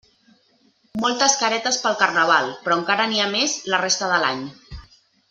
Moltes caretes pel Carnaval, però encara n'hi ha més la resta de l'any.